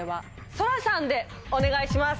そらさんでお願いします。